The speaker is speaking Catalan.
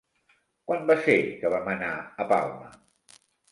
Quan va ser que vam anar a Palma?